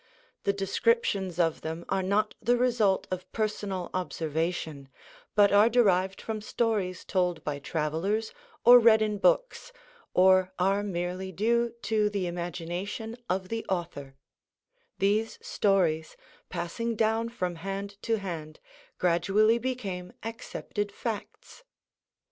The descriptions of them are not the result of personal observation, but are derived from stories told by travelers or read in books, or are merely due to the imagination of the author; these stories, passing down from hand to hand, gradually became accepted facts.